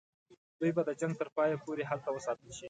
دوی به د جنګ تر پایه پوري هلته وساتل شي.